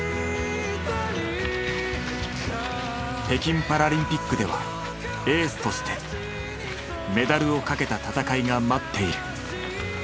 北京パラリンピックではエースとしてメダルをかけた戦いが待っている。